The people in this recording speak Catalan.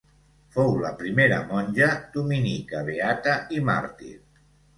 Fou la primera monja dominica beata i màrtir.